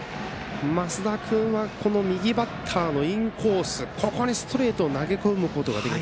升田君は、この右バッターのインコース、ここにストレートを投げ込むことができる。